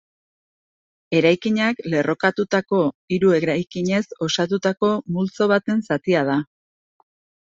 Eraikinak lerrokatutako hiru eraikinez osatutako multzo baten zatia da.